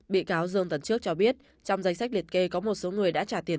bị cáo dương tấn trước cho biết trong danh sách liệt kê có một số người đã trả tiền